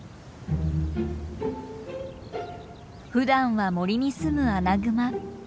ふだんは森にすむアナグマ。